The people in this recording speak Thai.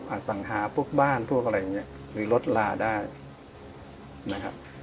สังหาพวกบ้านพวกอะไรอย่างนี้หรือรถลาได้นะครับ